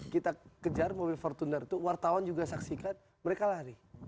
kita kejar mobil fortuner itu wartawan juga saksikan mereka lari